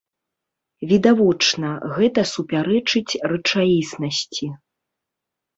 Відавочна, гэта супярэчыць рэчаіснасці.